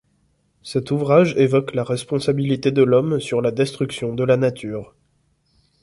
Cet ouvrage évoque la responsabilité de l'homme sur la destruction de la nature.